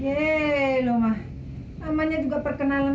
jengkel maat namanya juga perkenalan